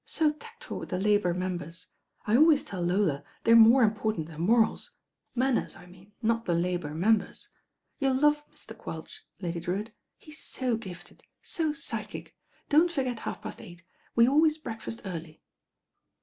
So tact ful with the Labour Members. I always tell Lola they're more important than morals. Manners I mean, not the Labour Members. You'll love Mr. Quelch, Lady Drewitt. He's so gifted. So psy. chic. Don't forget half past eight. We alwayi breakfast early."